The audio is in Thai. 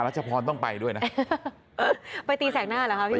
อ่ะรัชพรต้องไปด้วยนะไปตีแสกหน้าหรือคะพี่บุคลิ